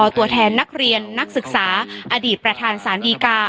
ตัวแทนนักเรียนนักศึกษาอดีตประธานสารดีกา